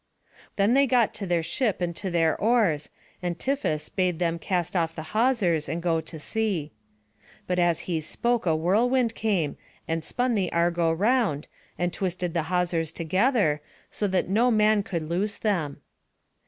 Then they got to their ship and to their oars, and Tiphys bade them cast off the hawsers, and go to sea. But as he spoke a whirlwind came, and spun the Argo round, and twisted the hawsers together, so that no man could loose them.